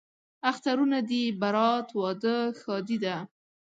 اخترونه دي برات، واده، ښادي ده